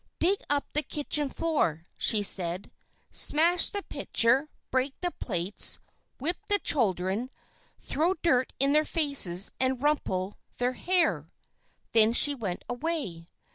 "Dig up the kitchen floor," said she, "smash the pitcher, break the plates. Whip the children, throw dirt in their faces, and rumple their hair." Then she went away.